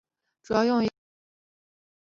主要用于散调音乐。